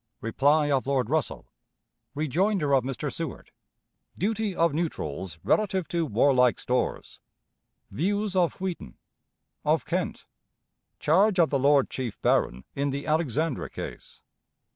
Reply of Lord Russell. Rejoinder of Mr. Seward. Duty of Neutrals relative to Warlike Stores. Views of Wheaton; of Kent. Charge of the Lord Chief Baron in the Alexandra Case.